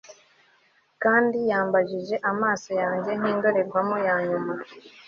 Kandi yambajije amaso yanjye nkindorerwamo ya nyuma